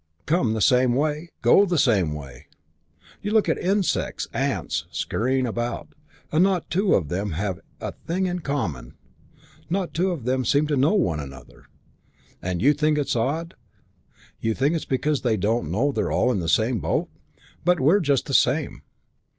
Come the same way. Go the same way. You look at insects, ants, scurrying about, and not two of them seem to have a thing in common, not two of them seem to know one another; and you think it's odd, you think it's because they don't know they're all in the same boat. But we're just the same.